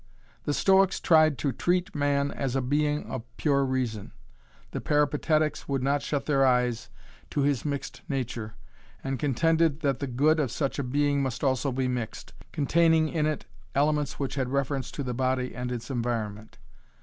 The Stoics tried to treat man as a being of pure reason. The Peripatetics would not shut their eyes to his mixed nature, and contended that the good of such a being must also be mixed, containing in it elements which had reference to the body and its environment.